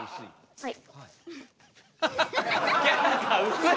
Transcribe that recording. はい。